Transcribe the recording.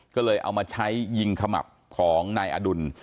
ก็เลยเอามาใช้ยิงขมับของนายอดุล